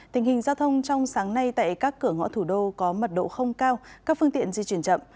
tình hình giao thông trong sáng nay tại các cửa ngõ thủ đô có mật độ không cao các phương tiện di chuyển chậm